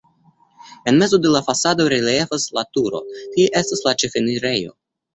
En mezo de la fasado reliefas la turo, tie estas la ĉefenirejo.